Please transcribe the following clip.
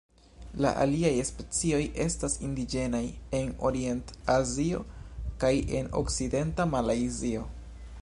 La aliaj specioj estas indiĝenaj en Orient-Azio kaj en okcidenta Malajzio.